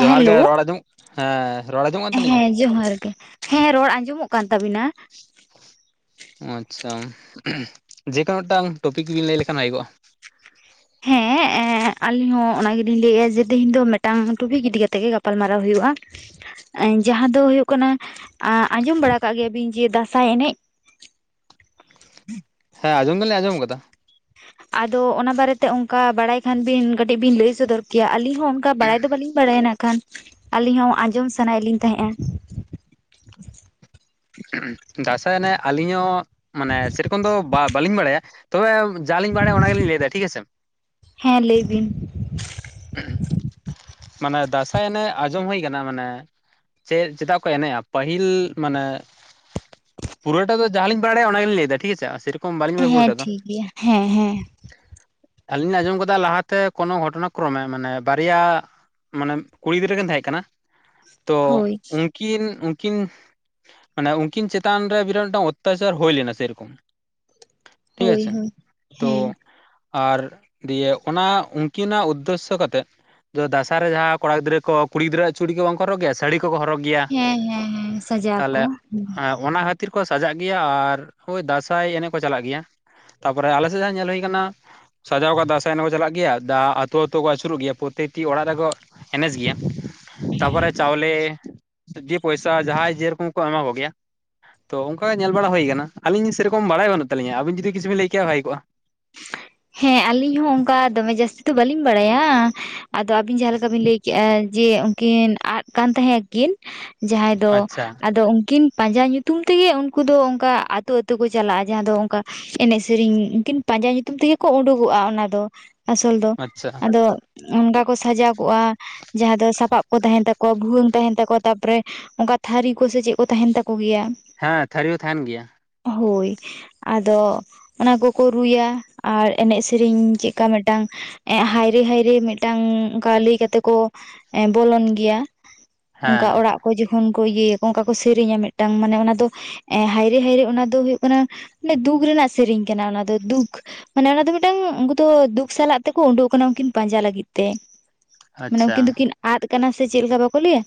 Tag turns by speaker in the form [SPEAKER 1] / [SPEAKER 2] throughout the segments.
[SPEAKER 1] ᱡᱚᱦᱟᱨ
[SPEAKER 2] ᱦᱮᱞᱳ
[SPEAKER 1] ᱜᱮ ᱨᱚᱲ ᱟᱡᱚᱢᱚᱜ ᱦᱮᱸ ᱨᱚᱲ ᱟᱡᱚᱢᱚᱜ ᱟ
[SPEAKER 2] ᱦᱮᱸ ᱡᱚᱦᱟᱨ ᱜᱮ, ᱦᱮᱸ ᱨᱚᱲ ᱟᱸᱡᱚᱢᱚᱜ ᱠᱟᱱ ᱛᱟᱵᱤᱱᱟ᱾
[SPEAKER 1] ᱚ ᱟᱪᱪᱷᱟ ᱡᱮᱠᱳᱱᱳ ᱢᱤᱫᱴᱟᱝ ᱴᱚᱯᱤᱠ ᱵᱤᱱ ᱞᱟᱹᱭ ᱞᱮᱠᱷᱟᱱ ᱦᱩᱭᱩᱜᱚᱜ-ᱟ᱾
[SPEAKER 2] ᱦᱮᱸ ᱟᱞᱤᱧ ᱦᱚᱸ ᱚᱱᱟ ᱜᱮᱞᱤᱧ ᱞᱟᱹᱭᱮᱫ-ᱟ ᱡᱮ ᱛᱤᱦᱤᱧ ᱫᱚ ᱢᱮᱜᱴᱟᱝ ᱴᱩᱯᱤᱠ ᱤᱫᱤ ᱠᱟᱛᱮᱜ ᱜᱮ ᱜᱟᱯ ᱯᱟᱞᱢᱟᱨᱟᱣ ᱦᱩᱭᱩᱜ-ᱟ᱾ ᱮ ᱡᱟᱦᱟᱸ ᱫᱚ ᱦᱩᱭᱩᱜ ᱠᱟᱱᱟ ᱟᱸᱡᱚᱢ ᱵᱟᱲᱟ ᱠᱟᱜ ᱜᱮᱭᱟᱵᱤᱱ ᱡᱮ ᱫᱟᱸᱥᱟᱭ ᱮᱱᱮᱡ
[SPEAKER 1] ᱦᱮᱸ ᱟᱸᱢᱚᱢ ᱫᱚᱞᱤᱧ ᱟᱸᱡᱚᱢ ᱠᱟᱫᱟ
[SPEAKER 2] ᱟᱫᱚ ᱚᱱᱟ ᱵᱟᱨᱮᱛᱮ ᱚᱝᱠᱟ ᱵᱟᱲᱟᱭ ᱠᱷᱟᱱ ᱵᱤᱱ ᱠᱟᱹᱴᱤᱡᱤᱜ ᱵᱤᱱ ᱞᱟᱹᱭ ᱥᱚᱫᱚᱨ ᱠᱮᱭᱟ, ᱟᱹᱞᱤᱧ ᱦᱚᱸ ᱚᱱᱠᱟ ᱵᱟᱲᱟᱭ ᱫᱚ ᱵᱟᱹᱞᱤᱧ ᱵᱟᱲᱟᱭᱟ ᱱᱟᱜ ᱠᱷᱟᱱ ᱟᱹᱞᱤᱧ ᱦᱚᱸ ᱟᱸᱡᱚᱢ ᱥᱟᱱᱟᱭᱮᱫ ᱞᱤᱧ ᱛᱟᱦᱮᱸᱫ-ᱟ᱾
[SPEAKER 1] ᱫᱟᱸᱥᱟᱭ ᱮᱱᱮᱡ ᱟᱹᱞᱤᱧ ᱦᱚᱸ ᱢᱟᱱᱮ ᱥᱮᱨᱚᱠᱚᱢ ᱫᱚ ᱵᱟ ᱵᱟᱹᱞᱤᱧ ᱵᱟᱲᱟᱭᱟ ᱛᱚᱵᱮ ᱡᱟᱞᱤᱧ ᱵᱟᱲᱟᱭᱟ ᱚᱱᱟ ᱜᱮᱞᱤᱧ ᱞᱟᱹᱭᱫᱟ ᱴᱷᱤᱠ ᱜᱟᱪᱷᱮ
[SPEAKER 2] ᱦᱮᱸ ᱞᱟᱹᱭ ᱵᱤᱱ
[SPEAKER 1] ᱢᱟᱱᱮ ᱫᱟᱸᱥᱟᱭ ᱮᱱᱮᱡ ᱟᱸᱡᱚᱢ ᱦᱩᱭ ᱠᱟᱱᱟ ᱢᱟᱱᱮ ᱪᱮᱜ ᱪᱮᱫᱟᱜ ᱠᱚ ᱮᱱᱮᱜ-ᱟ ᱯᱟᱹᱦᱤᱞ ᱢᱟᱱᱮ ᱯᱩᱨᱟᱹᱴᱟ ᱫᱚ ᱡᱟᱦᱟᱸ ᱞᱤᱧ ᱵᱟᱲᱟᱭᱟ ᱚᱱᱟ ᱜᱤᱞᱤᱧ ᱞᱟᱹᱭ ᱫᱟ ᱴᱷᱤᱠ ᱟᱪᱷᱮ ᱥᱮᱨ
[SPEAKER 2] ᱦᱮᱸ ᱴᱷᱤᱠ ᱜᱮᱭᱟ ᱦᱮᱸ ᱦᱮᱸ
[SPEAKER 1] ᱟᱹᱞᱤᱧ ᱞᱤᱧ ᱟᱸᱡᱚᱢ ᱠᱟᱫᱟ ᱞᱟᱦᱟᱛᱮ ᱠᱳᱱᱳ ᱜᱷᱚᱴᱚᱱᱟ ᱠᱨᱚᱢᱮ ᱢᱟᱱᱮ ᱵᱟᱨᱭᱟ ᱢᱟᱱᱮ ᱠᱩᱲᱤ ᱜᱤᱫᱽᱨᱟᱹ ᱠᱤᱱ ᱛᱟᱦᱮᱸᱜ ᱠᱟᱱᱟ ᱛᱚ
[SPEAKER 2] ᱦᱳᱭ
[SPEAKER 1] ᱩᱝᱠᱤᱱ ᱠᱤᱱ ᱢᱟᱱᱮ ᱩᱝᱠᱤᱱ ᱪᱮᱛᱟᱱ ᱨᱮ ᱵᱤᱨᱟᱴ ᱢᱮᱴᱟᱝ ᱚᱛᱛᱟᱪᱟᱨ ᱦᱩᱭ ᱞᱮᱱᱟ ᱥᱮᱨᱚᱠᱚᱢ
[SPEAKER 2] [inaudible]
[SPEAKER 1] ᱴᱷᱤᱠ ᱟᱪᱷᱮ
[SPEAKER 2] ᱦᱳᱭ
[SPEAKER 1] ᱛᱳ
[SPEAKER 2] ᱦᱮᱸ
[SPEAKER 1] ᱟᱨ ᱫᱤᱭᱮ ᱚᱱᱟ ᱩᱱᱠᱤᱱᱟᱜ ᱩᱫᱽᱫᱮᱥᱥᱚ ᱠᱟᱛᱮᱜ ᱡᱚ ᱫᱟᱸᱥᱟᱭ ᱨᱮ ᱡᱟᱦᱟᱸ ᱠᱚᱲᱟ ᱜᱤᱫᱽᱨᱟᱹ ᱠᱚ ᱠᱩᱲᱤ ᱜᱤᱫᱽᱨᱟᱹᱣᱟᱜ ᱪᱩᱲᱤ ᱠᱚ ᱵᱟᱝ ᱠᱚ ᱦᱚᱨᱚᱜ ᱜᱮᱭᱟ ᱥᱟᱲᱤ ᱠᱚᱠᱚ ᱦᱚᱨᱚᱜ ᱜᱮᱭᱟ,
[SPEAKER 2] ᱦᱮᱸ ᱦᱮᱸ ᱦᱮᱸ ᱥᱟᱡᱟᱣ ᱠᱚ
[SPEAKER 1] ᱛᱟᱦᱞᱮ
[SPEAKER 2] ᱦᱩᱸ
[SPEAKER 1] ᱚᱱᱟ ᱠᱷᱟ ᱵᱷᱤᱛᱤᱨ ᱠᱚ ᱥᱟᱡᱟᱜ ᱜᱮᱭᱟ ᱟᱨ ᱳᱭ ᱫᱟᱸᱥᱟᱭ ᱮᱱᱮᱡ ᱠᱚ ᱪᱟᱞᱟᱜ ᱜᱮᱭᱟ᱾ ᱛᱟᱯᱚᱨᱮ ᱟᱞᱮ ᱥᱮᱫ ᱡᱟᱦᱟ ᱧᱮᱞ ᱦᱳᱭ ᱠᱟᱱᱟ᱾ ᱥᱟᱡᱟᱣ ᱠᱟᱜ ᱫᱟᱸᱥᱟᱭ ᱮᱱᱮᱡ ᱠᱚ ᱪᱟᱞᱟᱜ ᱜᱮᱭᱟ ᱫᱟ ᱟᱹᱛᱩ ᱟᱹᱛᱩ ᱠᱚ ᱟᱹᱪᱩᱨᱚᱜ ᱜᱮᱭᱟ ᱯᱨᱚᱛᱮᱴᱤ ᱚᱲᱟᱜ ᱨᱮᱫᱚ ᱮᱱᱮᱡ ᱜᱮᱭᱟ ᱛᱟᱯᱚᱨᱮ ᱪᱟᱣᱞᱮ ᱫᱤᱭ ᱯᱚᱭ ᱥᱟ ᱡᱟᱦᱟᱭ ᱡᱮ ᱨᱚᱠᱚᱢ ᱠᱚ ᱮᱢᱟ ᱠᱚᱜ ᱜᱮᱭᱟ᱾ ᱛᱚ ᱚᱱᱠᱟ ᱜᱮ ᱧᱮᱞ ᱵᱟᱲᱟ ᱦᱳᱭ ᱠᱟᱱᱟ ᱟᱹᱞᱤᱧ ᱥᱮ ᱨᱚᱠᱚᱢ ᱵᱟᱲᱟᱭ ᱵᱟᱹᱱ ᱛᱟᱹᱞᱤᱧ ᱟᱵᱤᱱ ᱡᱩᱫᱤ ᱠᱤᱪᱷᱩ ᱞᱟᱹᱭ ᱠᱮᱭᱟ ᱵᱷᱟᱜᱤ ᱠᱚᱜᱼᱟᱺ
[SPEAKER 2] ᱦᱮᱸ ᱟᱹᱞᱤᱧ ᱦᱚᱸ ᱚᱱᱠᱟ ᱫᱚᱢᱮ ᱡᱟᱹᱥᱛᱤ ᱫᱚ ᱵᱟᱹᱞᱤᱧ ᱵᱟᱲᱟᱭ-ᱟ᱾ ᱟᱫᱚ ᱟᱵᱤᱱ ᱡᱟᱦᱟ ᱞᱮᱠᱟ ᱵᱤᱱ ᱞᱟᱹᱭ ᱠᱮᱜᱼᱟ᱾ ᱡᱮ ᱩᱱᱠᱤᱱ ᱟᱫ ᱠᱟᱱ ᱛᱟᱦᱮᱸ ᱟᱠᱤᱱ᱾ ᱡᱟᱦᱟᱭ ᱫᱚ
[SPEAKER 1] ᱟᱪᱪᱷᱟ
[SPEAKER 2] ᱟᱫᱚ ᱩᱱᱠᱤᱱ ᱯᱟᱸᱡᱟ ᱧᱩᱛᱩᱢ ᱛᱮᱜᱮ ᱩᱱᱠᱩ ᱫᱚ ᱚᱱᱠᱟ ᱟᱹᱛᱩ, ᱟᱹᱛᱩ ᱠᱚ ᱪᱟᱞᱟᱜ-ᱟ ᱡᱟᱦᱟ ᱫᱚ ᱚᱱᱠᱟ ᱮᱱᱮᱡ ᱥᱮᱨᱮᱧ ᱩᱱᱠᱤᱱ ᱯᱟᱸᱡᱟ ᱧᱩᱛᱩᱢ ᱛᱮᱜᱮ ᱠᱚ ᱩᱰᱩᱠ ᱜᱚᱜ-ᱟ ᱚᱱᱟ ᱫᱚ ᱟᱥᱚᱞ ᱫᱚ
[SPEAKER 1] ᱟᱪᱪᱷᱟ
[SPEAKER 2] ᱟᱫᱚ ᱚᱱᱠᱟ ᱠᱚ ᱥᱟᱡᱟᱣ ᱠᱚᱜ-ᱟ ᱡᱟᱦᱟ ᱫᱚ ᱥᱟᱯᱟᱵ ᱠᱚ ᱛᱟᱦᱮᱱ ᱛᱟᱠᱚᱣᱟ ᱵᱷᱩᱣᱟᱹᱝ ᱛᱟᱦᱮᱱ ᱛᱟᱠᱚᱣᱟ ᱛᱟᱯᱚᱨᱮ ᱚᱱᱠᱟ ᱛᱷᱟᱹᱨᱤ ᱠᱚᱥᱮ ᱪᱮᱫ ᱠᱚ ᱛᱟᱦᱮᱱ ᱛᱟᱠᱚ ᱜᱮᱭᱟ᱾
[SPEAKER 1] ᱦᱮᱸ ᱛᱷᱟᱹᱨᱤ ᱦᱚᱸ ᱛᱟᱦᱮᱱ ᱜᱮᱭᱟ᱾
[SPEAKER 2] ᱦᱳᱭ ᱟᱫᱚ ᱚᱱᱟ ᱠᱚᱠᱚ ᱨᱩᱭᱟ ᱟᱨ ᱮᱱᱮᱡ ᱥᱮᱨᱮᱧ ᱪᱮᱫᱠᱟ ᱢᱤᱫᱴᱟᱝ ᱮᱜ ᱦᱟᱭᱨᱮ, ᱦᱟᱭᱨᱮ ᱢᱤᱫᱴᱟᱝ ᱠᱟ ᱞᱟᱹᱭ ᱠᱟᱛᱮᱜ ᱠᱚ ᱮ ᱵᱚᱞᱚᱱ ᱜᱮᱭᱟ᱾ ᱚᱱᱠᱟ
[SPEAKER 1] ᱦᱮᱸ
[SPEAKER 2] ᱚᱲᱟᱜ ᱠᱚ ᱡᱚᱠᱷᱚᱱ ᱠᱚ ᱤᱭᱟᱹ ᱟᱠᱚ ᱚᱱᱠᱟ ᱠᱚ ᱥᱮᱨᱮᱧᱟ ᱢᱤᱫᱴᱟᱝ ᱢᱟᱱᱮ ᱚᱱᱟ ᱫᱚ ᱮᱸᱻ ᱦᱟᱭᱨᱮ, ᱦᱟᱭᱨᱮ ᱚᱱᱟ ᱫᱚ ᱦᱳᱭᱳᱜ ᱠᱟᱱᱟ ᱫᱩᱠ ᱨᱮᱱᱟᱜ ᱥᱮᱨᱮᱧ ᱠᱟᱱᱟ ᱚᱱᱟ ᱫᱚ᱾ ᱫᱩᱠ ᱢᱟᱱᱮ ᱚᱱᱟ ᱫᱚ ᱢᱤᱫᱴᱟᱝ ᱩᱱᱠᱩ ᱫᱚ ᱫᱩᱠ ᱥᱟᱞᱟᱜ ᱛᱮᱠᱚ ᱳᱸᱰᱳᱜ ᱠᱟᱱᱟ ᱩᱱᱠᱤᱱ ᱯᱟᱸᱡᱟ ᱞᱟᱹᱜᱤᱫ ᱛᱮ᱾ ᱢᱟᱱᱮ
[SPEAKER 1] ᱟᱪᱪᱷᱟ
[SPEAKER 2] ᱩᱱᱠᱤᱱ ᱫᱚᱠᱤᱱ ᱟᱫ ᱠᱟᱱᱟ ᱥᱮ ᱪᱮᱫ ᱞᱮᱠᱟ ᱵᱟᱠᱚ ᱞᱟᱹᱭ-ᱟ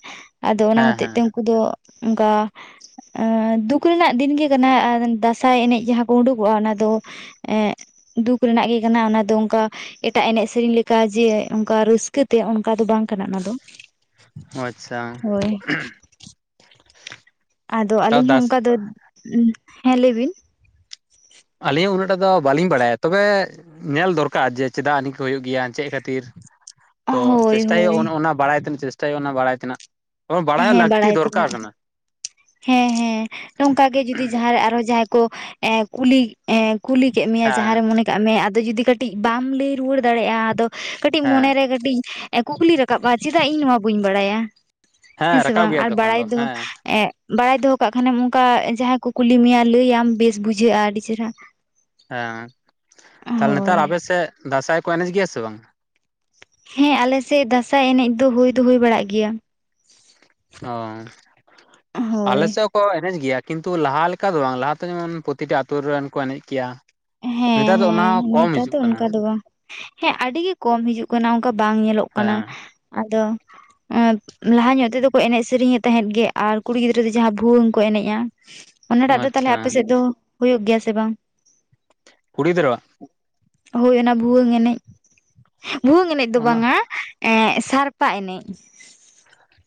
[SPEAKER 2] ᱟᱫᱚ ᱚᱱᱟ
[SPEAKER 1] ᱦᱮᱸ
[SPEAKER 2] ᱦᱚᱛᱮᱡ
[SPEAKER 1] ᱦᱮᱸ
[SPEAKER 2] ᱛᱮ ᱩᱱᱠᱩ ᱫᱚ ᱚᱱᱠᱟ ᱮ ᱫᱩᱠ ᱨᱮᱱᱟᱜ ᱫᱤᱱ ᱜᱮ ᱠᱟᱱᱟ᱾ᱟᱨ ᱫᱟᱸᱥᱟᱭ ᱮᱱᱮᱡ ᱡᱟᱦᱟ ᱠᱚ ᱳᱰᱳᱠ ᱚᱜᱼᱟ ᱚᱱᱟ ᱫᱚ ᱮ ᱫᱩᱠ ᱨᱮᱱᱟᱜ ᱜᱮ ᱠᱟᱱᱟ ᱚᱱᱟ ᱫᱚ ᱚᱱᱠᱟ ᱮᱴᱟᱜ ᱮᱱᱮᱡ ᱥᱮᱨᱮᱧ ᱞᱮᱠᱟ ᱡᱮ ᱚᱱᱠᱟ ᱨᱟᱹᱥᱠᱟᱹᱛᱮ ᱚᱱᱠᱟ ᱫᱚ ᱵᱟᱝ ᱠᱟᱱᱟ ᱚᱱᱟ ᱫᱚ᱾
[SPEAKER 1] ᱚ. ᱟᱪᱪᱷᱟ᱾
[SPEAKER 2] ᱦᱳᱭ ᱟᱫᱚ
[SPEAKER 1] ᱛᱟᱣ
[SPEAKER 2] ᱟᱹᱞᱤᱧ ᱦᱚᱸ
[SPEAKER 1] ᱫᱟᱥ
[SPEAKER 2] ᱚᱱᱠᱟ ᱫᱚ ᱦᱮᱸ ᱞᱟᱹᱭ ᱵᱤᱱ᱾
[SPEAKER 1] ᱟᱹᱞᱤᱧ ᱦᱚᱸ ᱩᱱᱟᱹᱜ ᱴᱟᱜ ᱫᱚ ᱵᱟᱭᱟᱹᱞᱤᱧ ᱵᱟᱲᱟᱭᱟ ᱛᱚᱵᱮ ᱧᱮᱞ ᱫᱚᱨᱠᱟᱨ ᱡᱮ ᱪᱮᱫᱟᱜ ᱱᱤᱣᱠᱟᱹᱱᱤ ᱦᱩᱭᱩᱜ ᱜᱮᱭᱟ ᱪᱮᱫ ᱠᱷᱟᱹᱛᱤᱨ? ᱛᱚ
[SPEAKER 2] ᱦᱳᱭ
[SPEAKER 1] ᱪᱮᱥᱴᱟᱭ
[SPEAKER 2] ᱦᱳᱭ
[SPEAKER 1] ᱦᱳᱭᱳᱜ-ᱟ ᱚᱱᱟ ᱵᱟᱲᱟᱭ ᱛᱮᱱᱟᱜ ᱪᱮᱥᱴᱟᱭ ᱦᱳᱭᱳᱜᱼᱟ ᱚᱱᱟ ᱵᱟᱲᱟᱭ ᱛᱮᱱᱟᱜ ᱮᱚᱝ ᱵᱟᱲᱟᱭ
[SPEAKER 2] ᱦᱮᱸ
[SPEAKER 1] ᱞᱟᱹᱠᱛᱤ ᱫᱚᱨᱠᱟᱨ
[SPEAKER 2] ᱛᱮᱱᱟᱜ
[SPEAKER 1] ᱠᱟᱱᱟ᱾
[SPEAKER 2] ᱦᱮᱸ ᱦᱮᱸ ᱱᱚᱝᱠᱟ ᱜᱮ ᱡᱩᱫᱤ ᱡᱟᱦᱟ ᱨᱮ ᱟᱨᱦᱚᱸ ᱡᱟᱦᱟᱭ ᱠᱚ ᱮᱸᱻ ᱠᱩᱞᱤ ᱮᱸᱻ ᱠᱩᱞᱤ ᱠᱮᱫ ᱢᱮᱭᱟ ᱡᱟᱦᱟ
[SPEAKER 1] ᱦᱮᱸ
[SPEAKER 2] ᱨᱮ ᱢᱚᱱᱮ ᱠᱟᱜ ᱢᱮ ᱟᱫᱚ ᱡᱩᱫᱤ ᱠᱟᱹᱴᱤᱡ ᱵᱟᱢ ᱞᱟᱹᱭ ᱨᱩᱣᱟᱹᱲ ᱫᱟᱲᱮᱜᱼᱟ ᱟᱫᱚ ᱠᱟᱹᱴᱤᱡ
[SPEAKER 1] ᱦᱮᱸ
[SPEAKER 2] ᱢᱚᱱᱮ ᱨᱮ ᱠᱟᱹᱴᱤᱡ ᱠᱩᱠᱞᱤ ᱨᱟᱠᱟᱵᱟ ᱪᱮᱫᱟᱜ ᱤᱧ ᱱᱚᱣᱟ ᱵᱟᱹᱧ ᱵᱟᱲᱟᱭᱟ᱾ ᱦᱮᱸ ᱥᱮ
[SPEAKER 1] ᱨᱟᱠᱟᱵ
[SPEAKER 2] ᱵᱟᱝ
[SPEAKER 1] ᱜᱮᱭᱟ
[SPEAKER 2] ᱟᱨ
[SPEAKER 1] ᱛᱚᱠᱷᱚᱱ
[SPEAKER 2] ᱵᱟᱲᱟᱭ ᱫᱚ
[SPEAKER 1] ᱦᱮᱸ
[SPEAKER 2] ᱮᱸᱻ ᱵᱟᱲᱟᱭ ᱫᱚᱦᱚ ᱠᱟᱜ ᱠᱷᱟᱱᱮᱢ ᱚᱱᱠᱟ ᱡᱟᱦᱟᱭ ᱠᱚ ᱠᱩᱞᱤ ᱢᱮᱭᱟ ᱞᱟᱹᱭ ᱟᱢ ᱵᱮᱥ ᱵᱩᱡᱷᱟᱹᱜᱼᱟ ᱟᱹᱰᱤ ᱪᱮᱨᱦᱟ᱾
[SPEAKER 1] ᱦᱮᱸ ᱛᱟᱦᱞᱮ ᱱᱮᱛᱟᱨ
[SPEAKER 2] ᱦᱳᱭ
[SPEAKER 1] ᱟᱯ ᱥᱮᱫ ᱫᱟᱸᱥᱟᱭ ᱠᱚ ᱮᱱᱮᱡ ᱜᱮᱭᱟ ᱥᱮ ᱵᱟᱝ?
[SPEAKER 2] ᱦᱮᱸ ᱟᱞᱮ ᱥᱮᱫ ᱫᱟᱸᱥᱟᱭ ᱮᱱᱮᱡ ᱫᱚ ᱦᱩᱭ ᱫᱚ ᱦᱩᱭ ᱵᱟᱲᱟᱜ ᱜᱮᱭᱟ᱾
[SPEAKER 1] ᱚ ᱟᱞᱮ
[SPEAKER 2] ᱦᱳᱭ
[SPEAKER 1] ᱥᱮᱫ ᱠᱚ ᱮᱱᱮᱡ ᱜᱮᱭᱟ ᱠᱤᱱᱛᱩ ᱞᱟᱦᱟ ᱞᱮᱠᱟ ᱫᱚ ᱵᱟᱝ ᱞᱟᱦᱟ ᱛᱮ ᱡᱮᱢᱚᱱ ᱯᱨᱚᱛᱤᱴᱟ ᱟᱛᱳ ᱨᱮᱱ ᱠᱚ ᱮᱱᱮᱡ ᱜᱮᱭᱟ᱾
[SPEAKER 2] ᱦᱮᱸ
[SPEAKER 1] ᱱᱮᱛᱟᱨ ᱫᱚ ᱚᱱᱟ
[SPEAKER 2] ᱦᱮᱸ
[SPEAKER 1] ᱦᱚᱸ ᱠᱚᱢ
[SPEAKER 2] ᱱᱮᱛᱟᱨ ᱫᱚ
[SPEAKER 1] ᱦᱤᱡᱩᱜ ᱠᱟᱱᱟ᱾
[SPEAKER 2] ᱚᱱᱠᱟ ᱫᱚ ᱵᱟᱝ ᱦᱮᱸ ᱟᱹᱰᱤ ᱜᱮ ᱠᱚᱢ ᱦᱤᱡᱩᱜ ᱠᱟᱱᱟ ᱚᱱᱠᱟ ᱵᱟᱝ ᱧᱮᱞᱚᱜ ᱠᱟᱱᱟ
[SPEAKER 1] ᱦᱮᱸ
[SPEAKER 2] ᱟᱫᱚ ᱞᱟᱦᱟ ᱧᱚᱜ ᱛᱮᱫᱚ ᱠᱚ ᱮᱱᱮᱡ ᱥᱮᱨᱮᱧ ᱮᱫ ᱛᱟᱦᱮᱸᱫ ᱜᱮ ᱟᱨ ᱠᱩᱲᱤ ᱜᱤᱫᱽᱨᱟᱹ ᱫᱚ ᱡᱟᱦᱟ ᱵᱷᱩᱣᱟᱹᱝ ᱠᱚ ᱮᱱᱮᱡ ᱛᱟᱦᱮᱜ-ᱟ᱾ ᱚᱱᱟ ᱴᱟᱜ ᱫᱚ ᱛᱟᱞᱦᱮ ᱟᱯᱮ
[SPEAKER 1] ᱟᱪᱪᱷᱟ
[SPEAKER 2] ᱥᱮᱫ ᱫᱚ ᱦᱳᱭᱳᱜ ᱜᱮᱭᱟ ᱥᱮ ᱵᱟᱝ?
[SPEAKER 1] ᱠᱩᱲᱤ ᱜᱤᱫᱽᱨᱟᱹᱣᱟᱜ᱾
[SPEAKER 2] ᱦᱳᱭ ᱚᱱᱟ ᱵᱷᱩᱣᱟᱹᱝ ᱮᱱᱮᱡ ᱵᱷᱩᱣᱟᱹᱝ ᱮᱱᱮᱡ ᱫᱚ
[SPEAKER 1] ᱚᱱᱟ
[SPEAKER 2] ᱵᱟᱝ-ᱟ᱾ ᱮ ᱥᱟᱲᱯᱟ ᱮᱱᱮᱡ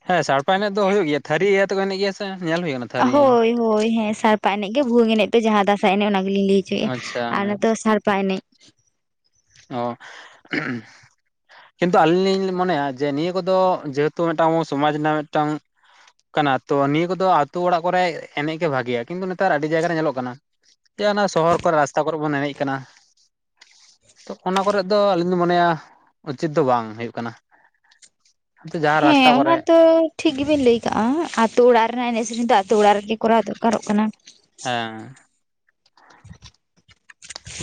[SPEAKER 1] ᱦᱮᱸ ᱥᱟᱲᱯᱟ ᱮᱱᱮᱡ ᱫᱚ ᱦᱩᱭᱩᱜ ᱜᱮᱭᱟ ᱛᱷᱟᱹᱨᱤ ᱤᱭᱟᱹ ᱛᱮᱠᱚ ᱮᱱᱮᱡ ᱜᱮᱭᱟ ᱥᱮ ᱧᱮᱞ ᱦᱩᱭ ᱠᱟᱱᱟ ᱛᱷᱟᱹᱨᱤ
[SPEAKER 2] ᱦᱳᱭ ᱦᱳᱭ ᱦᱮᱸ ᱥᱟᱲᱯᱟ ᱮᱱᱮᱡ ᱜᱮ ᱵᱷᱩᱝ ᱮᱱᱮᱡ ᱯᱮ ᱡᱟᱦᱟᱸ ᱫᱟᱥᱟᱸᱟᱭ ᱮᱱᱮᱡ ᱚᱱᱟᱜ ᱜᱤᱞᱤᱧ ᱞᱟᱹᱭ ᱦᱚᱪᱚᱭᱮᱫᱼᱟ
[SPEAKER 1] ᱟᱪᱪᱷᱟ
[SPEAKER 2] ᱟᱨ ᱱᱚᱛᱮ ᱥᱟᱲᱯᱟ ᱮᱱᱮᱡ
[SPEAKER 1] ᱚ ᱠᱤᱱᱛᱩ ᱟᱹᱞᱤᱧ ᱞᱤᱧ ᱢᱚᱱᱮᱭᱟ ᱡᱮ ᱱᱤᱭᱟᱹ ᱠᱚᱫᱚ ᱡᱮᱦᱮᱛᱩ ᱢᱤᱫᱴᱟᱝ ᱥᱚᱢᱟᱡᱽ ᱨᱮᱱᱟᱜ ᱢᱤᱫᱴᱟᱝ ᱠᱟᱱᱟ ᱛᱚ ᱱᱤᱭᱟᱹ ᱠᱚᱫᱚ ᱟᱛᱳ ᱚᱲᱟᱜ ᱠᱚᱨᱮ ᱮᱱᱮᱡ ᱜᱮ ᱵᱷᱟᱜᱮᱭᱟ ᱠᱤᱱᱛᱩ ᱱᱮᱛᱟᱨ ᱟᱹᱰᱤ ᱡᱟᱭᱜᱟ ᱨᱮ ᱧᱮᱞᱚᱜ ᱠᱟᱱᱟ ᱡᱮ ᱚᱱᱟ ᱥᱚᱦᱚᱨ ᱠᱚᱨᱮ ᱨᱟᱥᱛᱟ ᱠᱚᱨᱮ ᱵᱚᱱ ᱮᱱᱮᱡ ᱠᱟᱱᱟ᱾ ᱛᱚ ᱚᱱᱟ ᱠᱚᱨᱮᱫ ᱫᱚ ᱟᱹᱞᱤᱧ ᱞᱤᱧ ᱢᱚᱱᱮᱭᱟ ᱩᱪᱤᱛ ᱫᱚ ᱵᱟᱝ ᱦᱩᱭᱩᱜ ᱠᱟᱱᱟ᱾ ᱡᱟᱦᱟᱸ
[SPEAKER 2] ᱦᱮᱸ
[SPEAKER 1] ᱨᱟᱥᱛᱟ
[SPEAKER 2] ᱚᱱᱟ
[SPEAKER 1] ᱠᱚᱨᱮ
[SPEAKER 2] ᱫᱚ ᱴᱷᱤᱠ ᱜᱮᱵᱤᱱ ᱞᱟᱹᱭ ᱠᱟᱜ-ᱟ ᱟᱛᱳ ᱚᱲᱟᱜ ᱨᱮᱱᱟᱜ ᱮᱱᱮᱡ ᱥᱮᱨᱮᱧ ᱫᱚ ᱟᱛᱳ ᱚᱲᱟᱜ ᱨᱮᱜᱮ ᱠᱚᱨᱟᱣ ᱫᱚᱨᱠᱟᱨᱚᱜ ᱠᱟᱱᱟ᱾
[SPEAKER 1] ᱦᱮᱸ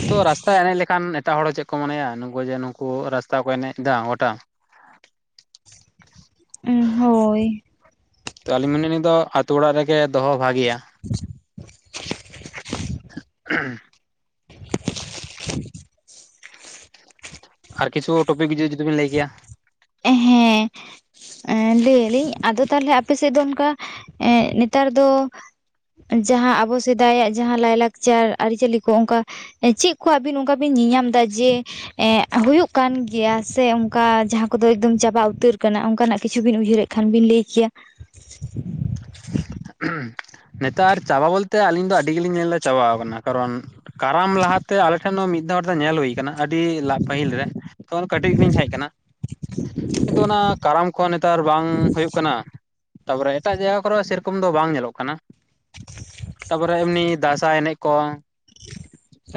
[SPEAKER 1] ᱛᱚ ᱨᱟᱥᱛᱟ ᱮᱱᱮᱡ ᱞᱮᱠᱷᱟᱱ ᱮᱴᱟᱜ ᱦᱚᱲ ᱦᱚᱸ ᱪᱮᱜ ᱠᱚ ᱢᱚᱱᱮᱭᱟ ᱱᱩᱠᱩ ᱡᱮ ᱱᱩᱠᱩ ᱨᱟᱥᱛᱟ ᱠᱚ ᱮᱱᱮᱡ ᱫᱟ ᱜᱚᱴᱟ᱾
[SPEAKER 2] ᱮᱸ ᱦᱳᱭ
[SPEAKER 1] ᱛᱚ ᱟᱞᱤᱧ ᱢᱮᱱᱟ ᱱᱤᱭᱟᱹ ᱫᱚ ᱟᱛᱩ ᱚᱲᱟᱜ ᱨᱮᱜᱮ ᱫᱚᱦᱚ ᱵᱷᱟᱜᱤᱭᱟ᱾ ᱟᱨ ᱠᱤᱪᱷᱩ ᱴᱚᱯᱤᱠ ᱡᱩ ᱡᱩᱫᱤ‌ ᱵᱤᱱ ᱞᱟᱹᱭ ᱠᱮᱭᱟ?
[SPEAKER 2] ᱮ ᱦᱮᱸ ᱮᱸ ᱞᱟᱹᱭ ᱟᱞᱤᱧ ᱟᱫᱚ ᱛᱟᱦᱚᱞᱮ ᱟᱯᱮ ᱥᱮᱜ ᱫᱚ ᱚᱱᱠᱟ ᱮᱸᱜ ᱱᱮᱛᱟᱨ ᱫᱚ ᱡᱟᱦᱟᱸ ᱟᱵᱚ ᱥᱮᱫᱟᱭᱟᱜ ᱡᱟᱦᱟᱸ ᱞᱟᱭᱼᱞᱟᱠᱪᱟᱨ ᱟᱨᱤᱼᱪᱟᱹᱞᱤ ᱠᱚ ᱚᱱᱠᱟ ᱮ ᱪᱤᱜ ᱠᱚ ᱟᱵᱤᱱ ᱚᱱᱠᱟ ᱵᱤᱱ ᱧᱮᱧᱟᱢ ᱮᱫᱟ ᱡᱮ ᱮᱸᱜ ᱦᱩᱭᱩᱜ ᱠᱟᱱ ᱜᱮᱭᱟ ᱥᱮ ᱚᱱᱠᱟ ᱡᱟᱦᱟᱸ ᱠᱚᱫᱚ ᱮᱠᱫᱚᱢ ᱪᱟᱵᱟ ᱩᱛᱟᱹᱨ ᱠᱟᱱᱟ ᱚᱱᱠᱟᱱᱟᱜ ᱠᱤᱪᱷᱩ ᱵᱤᱱ ᱩᱭᱦᱟᱹᱨᱮᱜ ᱠᱷᱟᱱ ᱵᱤᱱ ᱞᱟᱹᱭ ᱠᱮᱭᱟ?
[SPEAKER 1] ᱱᱮᱛᱟᱨ ᱪᱟᱵᱟ ᱵᱚᱞᱛᱮ ᱟᱹᱞᱤᱧ ᱫᱚ ᱟᱹᱰᱤ ᱜᱮᱞᱤᱧ ᱧᱮᱞ ᱫᱟ ᱪᱟᱵᱟᱣ ᱠᱟᱱᱟ ᱠᱟᱨᱚᱱ ᱠᱟᱨᱟᱢ ᱞᱟᱦᱟ ᱛᱮ ᱟᱞᱮ ᱴᱷᱮᱱ ᱫᱚ ᱢᱤᱫ ᱫᱷᱟᱣ ᱵᱟᱨ ᱫᱷᱟᱣ ᱧᱮᱞ‌ ᱦᱩᱭ ᱠᱟᱱᱟ ᱟᱹᱰᱤ ᱞᱟ ᱯᱟᱹᱦᱤᱞ ᱨᱮ ᱛᱚ ᱩᱱ ᱠᱟᱹᱴᱤᱡ ᱜᱮ ᱞᱤᱧ ᱛᱟᱦᱮᱸ ᱠᱟᱱᱟ᱾ ᱠᱤᱱᱛᱩ ᱚᱱᱟ ᱠᱟᱨᱟᱢ ᱠᱚᱦᱚᱸ ᱱᱮᱛᱟᱨ ᱵᱟᱝ ᱦᱩᱭᱩᱜ ᱠᱟᱱᱟ᱾ ᱛᱟᱯᱚᱨᱮ ᱮᱴᱟᱜ ᱡᱟᱭᱜᱟ ᱠᱚᱨᱮ ᱥᱮᱭ ᱨᱚᱠᱚᱢ ᱫᱚ ᱵᱟᱝ ᱧᱮᱞᱚᱜ ᱠᱟᱱᱟ᱾ ᱛᱟᱯᱚᱨᱮ ᱮᱢᱱᱤ ᱫᱟᱸᱥᱟᱭ ᱮᱱᱮᱡ ᱠᱚ᱾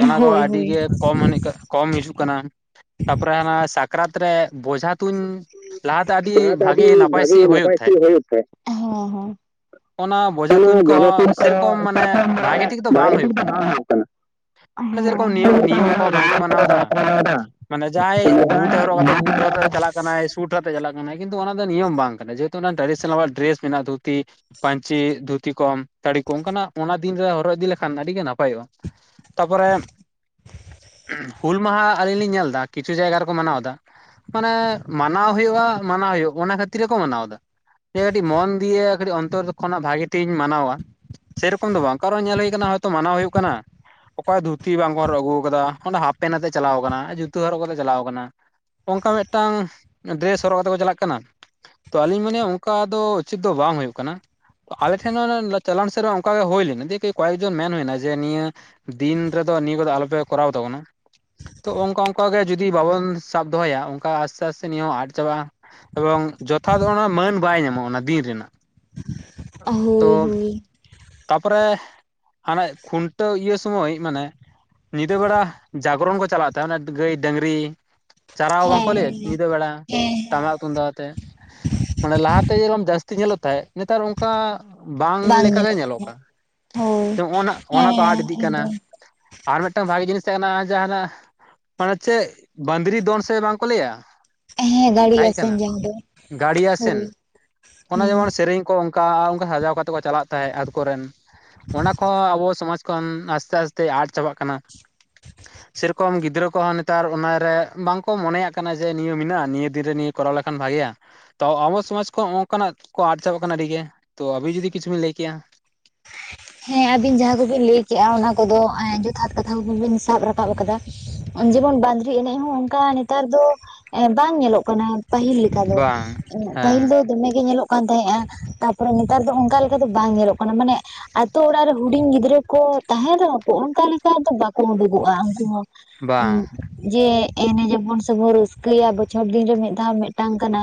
[SPEAKER 1] ᱚᱱᱟ ᱠᱚ
[SPEAKER 2] ᱦᱳᱭ
[SPEAKER 1] ᱟᱰᱤ
[SPEAKER 2] ᱦᱳᱭ
[SPEAKER 1] ᱜᱮ ᱠᱚᱢ ᱮᱱᱮᱡ ᱠᱚ ᱠᱚᱢ ᱦᱤᱡᱩᱜ ᱠᱟᱱᱟ ᱛᱟᱯᱚᱨᱮ ᱦᱟᱱᱟ ᱥᱟᱠᱨᱟᱛ ᱨᱮ ᱵᱳᱡᱷᱟ ᱛᱩᱧ ᱞᱟᱦᱟ ᱛᱮ ᱟᱰᱤ ᱵᱷᱟᱜᱮ ᱱᱟᱯᱟᱭ ᱥᱟᱺᱦᱤᱡ ᱦᱩᱭᱩᱜ ᱛᱟᱦᱮᱸᱜ᱾
[SPEAKER 2] ᱦᱳᱭᱳᱜ ᱛᱮᱸᱦᱮᱜ ᱦᱮᱸ
[SPEAKER 1] ᱚᱱᱟ ᱵᱳᱡᱷᱟ
[SPEAKER 2] ᱦᱮᱸ
[SPEAKER 1] ᱛᱩᱧ
[SPEAKER 2] ᱚᱱᱟ ᱡᱟᱭᱜᱟ
[SPEAKER 1] ᱠᱚᱦᱚᱸ
[SPEAKER 2] ᱪᱤᱞᱠᱟ
[SPEAKER 1] ᱢᱟᱱᱮ
[SPEAKER 2] ᱥᱮᱨᱚᱠᱚᱢ ᱢᱲᱱᱮ
[SPEAKER 1] ᱫᱚ
[SPEAKER 2] ᱵᱷᱟᱜᱮ ᱴᱷᱤᱠ ᱫᱚ
[SPEAKER 1] ᱠᱟᱱᱟ
[SPEAKER 2] ᱵᱟᱝ ᱦᱩᱭᱩᱜ
[SPEAKER 1] ᱢᱟᱱᱮ ᱥᱮᱨᱚᱠᱚᱢ ᱱᱤᱭᱚᱢ ᱱᱤᱭᱚᱢ
[SPEAKER 2] ᱠᱟᱱᱟ᱾
[SPEAKER 1] ᱠᱚᱦᱚᱸ ᱵᱟᱝᱠᱚ ᱢᱟᱱᱟᱣ ᱮᱫᱟ ᱢᱟᱱᱮ
[SPEAKER 2] ᱦᱮᱸ ᱦᱮᱸ
[SPEAKER 1] ᱡᱟᱦᱟᱸᱭ ᱵᱩᱴ ᱦᱚᱨᱚᱜ ᱠᱟᱛᱮ ᱵᱩᱴ ᱟᱛᱮ
[SPEAKER 2] [unintelligible]
[SPEAKER 1] ᱪᱟᱞᱟᱜ ᱠᱟᱱᱟᱭ ᱥᱩᱴ ᱟᱛᱮᱜ ᱪᱟᱞᱟᱜ ᱠᱟᱱᱟᱭ ᱠᱤᱱᱛᱩ ᱚᱱᱟ ᱫᱚ ᱱᱤᱭᱚᱢ ᱵᱟᱝ ᱠᱟᱱᱟ ᱡᱮᱦᱮᱛᱩ ᱚᱱᱟ ᱴᱨᱮᱰᱤᱥᱱᱚᱞ ᱣᱟᱜ ᱰᱨᱮᱥ ᱢᱮᱱᱟᱜ-ᱟ ᱛᱩ ᱛᱤ ᱯᱹᱧᱪᱤ ᱫᱷᱩᱛᱤ ᱠᱚᱠ ᱥᱟᱹᱲᱤ ᱠᱚᱢ ᱚᱱᱠᱟ ᱱᱟᱜ ᱚᱱᱟ ᱫᱤᱱ ᱨᱮ ᱦᱚᱨᱚᱜ ᱤᱫᱤ ᱞᱮᱠᱷᱟᱱ ᱟᱹᱰᱤ ᱜᱮ ᱱᱟᱯᱟᱭᱚᱜ-ᱟ᱾ ᱛᱟᱯᱚᱨᱮᱜ ᱦᱩᱞ ᱢᱟᱦᱟ ᱟᱹᱞᱤᱧ ᱞᱤᱧ ᱧᱮᱞ ᱫᱟ ᱠᱤᱪᱷᱩ ᱡᱟᱭᱜᱟ ᱨᱮᱠᱚ ᱢᱟᱱᱟᱣ ᱫᱟ᱾ ᱢᱟᱱᱮ ᱢᱟᱱᱟᱣ ᱦᱩᱭᱩᱜ-ᱟ ᱢᱟᱱᱟᱣ ᱦᱩᱭᱩᱜ-ᱟ ᱚᱱᱟ ᱠᱷᱟᱹᱛᱤᱨ ᱜᱮᱠᱚ ᱢᱟᱱᱟᱣ ᱫᱟ ᱡᱮ ᱠᱟᱹᱴᱤᱡ ᱢᱚᱱ ᱫᱤᱭᱮ ᱠᱟᱹᱴᱤᱜ ᱚᱱᱛᱚᱨ ᱠᱷᱚᱱᱟᱜ ᱵᱷᱟᱜᱤ ᱛᱮᱜᱤᱧ ᱢᱟᱱᱟᱣᱟ ᱥᱮᱨᱚᱠᱚᱢ ᱫᱚ ᱵᱟᱝ ᱠᱟᱨᱚ ᱧᱮᱞ ᱦᱩᱭ ᱠᱟᱱᱟ ᱦᱚᱭᱛᱚ ᱢᱟᱱᱟᱣ ᱦᱩᱭᱩᱜ ᱠᱟᱱᱟ ᱚᱠᱚᱭ ᱫᱷᱩᱛᱤ ᱵᱟᱝ ᱠᱚ ᱦᱚᱨᱚᱜ ᱟᱹᱜᱩᱣ ᱠᱟᱫᱟ ᱚᱸᱰᱮ ᱦᱟᱯ ᱯᱮᱱ ᱛᱮᱭ ᱪᱟᱞᱟᱣ ᱠᱟᱱᱟ ᱡᱩᱛᱟᱹ ᱦᱚᱨᱚᱜ ᱠᱟᱛᱮᱭ ᱪᱟᱞᱟᱣ ᱠᱟᱱᱟ᱾ ᱚᱝᱠᱟ ᱢᱮᱜᱴᱟᱝ ᱰᱨᱮᱥ ᱦᱚᱨᱚᱜ ᱠᱟᱛᱮ ᱠᱚ ᱪᱟᱞᱟᱜ ᱠᱟᱱᱟ᱾ ᱛᱚ ᱟᱹᱞᱤᱧ ᱢᱚᱱᱮᱭᱟ ᱚᱝᱠᱟ ᱫᱚ ᱩᱪᱤᱛ ᱫᱚ ᱵᱟᱝ ᱦᱩᱭᱩᱜ ᱠᱟᱱᱟ ᱛᱚ ᱟᱞᱮ ᱴᱷᱮᱱ ᱚᱱᱮ ᱞᱮ‌ ᱪᱟᱞᱟᱣᱮᱱ ᱥᱮᱨᱢᱟ ᱚᱱᱠᱟ ᱜᱮ ᱦᱩᱭ ᱞᱮᱱᱟ ᱫᱤᱭᱮ ᱠᱮ ᱠᱚᱭᱮᱠ ᱡᱚᱱ ᱢᱮᱱ ᱦᱩᱭ ᱱᱟ ᱡᱮ ᱱᱤᱭᱟᱹ ᱫᱤᱱ ᱨᱮᱫᱚ ᱱᱤᱭᱟᱹ ᱠᱚᱫᱚ ᱟᱞᱚ ᱯᱮ ᱠᱚᱨᱟᱣ ᱛᱟᱵᱚᱱᱟ᱾ ᱛᱚ ᱚᱝᱠᱟ ᱚᱝᱠᱟ ᱜᱮ ᱡᱩᱫᱤ ᱵᱟᱵᱚᱱ ᱥᱟᱵ ᱫᱚᱦᱚᱭᱟ ᱚᱝᱠᱟ ᱟᱥᱛᱮ ᱟᱥᱛᱮ ᱱᱤᱭᱟᱹ ᱦᱚᱸ ᱟᱫ ᱪᱟᱵᱟᱜ-ᱟ᱾ ᱮᱵᱚᱝ ᱡᱚᱛᱷᱟᱛ ᱚᱱᱟ ᱢᱟᱹᱱ ᱵᱟᱭ ᱧᱟᱢᱚᱜ-ᱟ ᱚᱱᱟ ᱫᱤᱱ ᱨᱮᱱᱟᱜ᱾
[SPEAKER 2] ᱦᱳᱭ
[SPEAKER 1] ᱛᱚ
[SPEAKER 2] ᱦᱳᱭ᱾
[SPEAKER 1] ᱛᱟᱯᱚᱨᱮ ᱦᱟᱱᱮ ᱠᱷᱩᱱᱴᱟᱹᱣ ᱤᱭᱟᱹ ᱥᱚᱢᱚᱭ ᱢᱟᱱᱮ, ᱧᱤᱫᱟᱹ ᱵᱮᱲᱟ ᱡᱟᱜᱽᱨᱚᱱ ᱠᱚ ᱪᱟᱞᱟᱜ ᱛᱟᱦᱮᱸ ᱚᱱᱮ ᱜᱟᱹᱭ, ᱰᱟᱹᱝᱨᱤ, ᱪᱟᱨᱟᱣ ᱵᱟᱝᱠᱚ
[SPEAKER 2] ᱦᱮᱸ
[SPEAKER 1] ᱞᱟᱹᱭ
[SPEAKER 2] ᱦᱮᱸ
[SPEAKER 1] ᱮᱫ ᱧᱤᱫᱟᱹ ᱵᱮᱲᱟ᱾
[SPEAKER 2] ᱦᱮᱸ ᱦᱮᱸ
[SPEAKER 1] ᱴᱟᱢᱟᱠ ᱛᱩᱝᱫᱟᱜ ᱟᱛᱮ ᱢᱟᱱᱮ ᱞᱟᱦᱟᱛᱮ ᱡᱮᱞᱚᱢ ᱡᱟᱹᱥᱛᱤ ᱧᱮᱞᱚᱜ ᱛᱟᱦᱮᱸ, ᱱᱮᱛᱟᱨ ᱚᱝᱠᱟ ᱵᱟᱝ ᱞᱮᱠᱟ ᱜᱮ ᱧᱮᱞᱚᱜ ᱠᱟᱱᱟ
[SPEAKER 2] ᱦᱳᱭ
[SPEAKER 1] ᱛᱚ ᱚᱱᱟ ᱚᱱᱟ ᱠᱚ ᱟᱫ
[SPEAKER 2] ᱦᱮᱸ
[SPEAKER 1] ᱤᱫᱤᱜ ᱠᱟᱱᱟ᱾
[SPEAKER 2] ᱮᱠᱫᱚᱢ
[SPEAKER 1] ᱟᱨ ᱢᱮᱜᱴᱟᱝ ᱵᱷᱟᱹᱜᱤ ᱡᱤᱱᱤᱥ ᱛᱟᱦᱮᱸ ᱠᱟᱱᱟ ᱡᱮ ᱦᱟᱱᱟ ᱢᱟᱱᱮ ᱪᱮᱜ ᱵᱟᱸᱫᱽᱨᱤ ᱫᱚᱱ ᱥᱮ ᱵᱟᱝᱠᱚ ᱞᱟᱹᱭᱟ
[SPEAKER 2] ᱦᱮᱸ ᱜᱟᱹᱲᱤ
[SPEAKER 1] ᱦᱮᱸᱜ
[SPEAKER 2] ᱟᱥᱮᱱ
[SPEAKER 1] ᱠᱟᱱᱟ
[SPEAKER 2] ᱡᱟᱦᱟᱸ ᱫᱚ
[SPEAKER 1] ᱜᱟᱲᱤ ᱟᱥᱮᱱ
[SPEAKER 2] ᱦᱳᱭ
[SPEAKER 1] ᱚᱱᱟ ᱡᱮᱢᱚᱱ ᱨᱮᱧ ᱠᱚ ᱚᱝᱠᱟ ᱟᱨ ᱚᱝᱠᱟ ᱥᱟᱡᱟᱣ ᱠᱟᱛᱮ ᱠᱚ ᱪᱟᱞᱟᱜ ᱛᱟᱦᱮᱸ ᱟᱛ ᱠᱚᱨᱮᱱ᱾ ᱚᱱᱟ ᱠᱚᱦᱚᱸ ᱟᱵᱚ ᱥᱚᱢᱟᱡ ᱠᱷᱚᱱ ᱟᱥᱛᱮ ᱟᱥᱛᱮ ᱟᱫ ᱪᱟᱵᱟᱜ ᱠᱟᱱᱟ᱾
[SPEAKER 2] [inaudible]
[SPEAKER 1] ᱥᱮ ᱨᱚᱠᱚᱢ ᱜᱤᱫᱽᱨᱟᱹ ᱠᱚᱦᱚᱸ ᱱᱮᱛᱟᱨ ᱚᱱᱟ ᱨᱮ ᱵᱟᱝᱠᱚ ᱢᱚᱱᱮᱭᱟᱜ ᱠᱟᱱᱟ ᱡᱮ ᱱᱤᱭᱟᱹ ᱢᱮᱱᱟᱜ-ᱟ, ᱱᱤᱭᱟᱹ ᱫᱤᱱ ᱨᱮ ᱱᱤᱭᱟᱹ ᱠᱚᱨᱟᱣ ᱞᱮᱠᱷᱟᱱ ᱵᱷᱟᱜᱮᱭᱟ᱾ ᱛᱚ ᱟᱵᱚ ᱥᱚᱢᱟᱡ ᱠᱚᱜ ᱚᱝᱠᱟᱱᱟᱜ ᱠᱚ ᱟᱫ ᱪᱟᱵᱟᱜ ᱠᱟᱱᱟ ᱟᱹᱰᱤ ᱜᱮ, ᱛᱚ ᱟᱵᱤᱱ ᱡᱩᱫᱤ ᱠᱤᱪᱷᱩ ᱵᱤᱱ ᱞᱟᱹᱭ ᱠᱮᱭᱟ?
[SPEAKER 2] ᱦᱮᱸ ᱟᱹᱵᱤᱱ ᱡᱟᱦᱟᱸ ᱠᱩᱵᱤᱱ ᱞᱟᱹᱭ ᱠᱮᱜ-ᱟ, ᱚᱱᱟ ᱠᱚᱫᱚ ᱡᱚᱛᱷᱟᱛ ᱠᱟᱛᱷᱟ ᱠᱚ ᱵᱤᱱ ᱥᱟᱵ ᱨᱟᱠᱟᱵ ᱟᱠᱟᱫᱟ᱾ ᱡᱮᱢᱚᱱ ᱵᱟᱸᱫᱽᱨᱤ ᱮᱱᱮᱡ ᱦᱚᱸ ᱚᱱᱠᱟ ᱱᱮᱛᱟᱨ ᱫᱚ ᱮ ᱵᱟᱝ ᱧᱮᱞᱚᱜ ᱠᱟᱱᱟ, ᱯᱟᱹᱦᱤᱞ ᱞᱮᱠᱟ ᱫᱚ,
[SPEAKER 1] ᱵᱟᱝ
[SPEAKER 2] ᱯᱟᱹᱦᱤᱞ
[SPEAKER 1] ᱦᱮᱸ
[SPEAKER 2] ᱫᱚ ᱫᱚᱢᱮ ᱜᱮ ᱧᱮᱞᱚᱜ ᱠᱟᱱ ᱛᱟᱦᱮᱸᱜ-ᱟ, ᱛᱟᱨᱯᱚᱨᱮ ᱱᱮᱛᱟᱨ ᱫᱚ ᱚᱝᱠᱟ ᱞᱮᱠᱟ ᱫᱚ ᱵᱟᱝ ᱧᱮᱞᱚᱜ ᱠᱟᱱᱟ, ᱢᱟᱱᱮ ᱛᱚ ᱚᱲᱟᱜ ᱨᱮ ᱦᱩᱰᱤᱧ ᱜᱤᱫᱽᱨᱟᱹ ᱠᱚ ᱛᱟᱦᱮᱸᱱ ᱨᱮᱦᱚᱸ ᱠᱚ ᱚᱱᱠᱟ ᱞᱮᱠᱟ ᱫᱚ ᱵᱟᱠᱚ ᱩᱰᱩᱠᱚᱜ-ᱟ ᱩᱱᱠᱩ ᱦᱚᱸ᱾ ᱩᱸ
[SPEAKER 1] ᱵᱟᱝ
[SPEAKER 2] ᱡᱮ ᱮᱱᱮᱡ ᱡᱟᱵᱚᱱ ᱥᱮ ᱵᱚᱱ ᱨᱟᱹᱥᱠᱟᱹᱭᱟ ᱵᱚᱪᱷᱚᱨ ᱫᱤᱱ ᱨᱮ ᱢᱤᱫ ᱫᱷᱟᱣ ᱢᱮᱜᱴᱟᱝ ᱠᱟᱱᱟ,